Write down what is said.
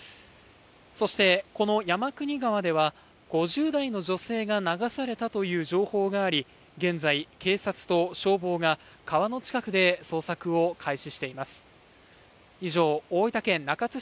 そして、この山国川では５０代の女性が流されたという情報があり、現在警察と消防が川の近くで捜索を開始しています。